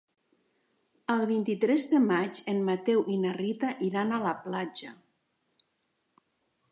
El vint-i-tres de maig en Mateu i na Rita iran a la platja.